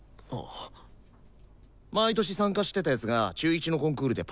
毎年参加してた奴が中１のコンクールでパッタリだからさ。